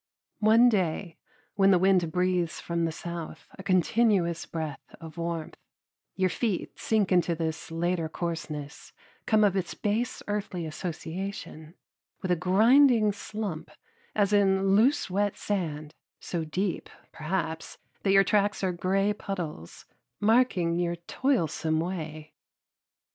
One day, when the wind breathes from the south a continuous breath of warmth, your feet sink into this later coarseness come of its base earthly association, with a grinding slump, as in loose wet sand, so deep, perhaps, that your tracks are gray puddles, marking your toilsome way.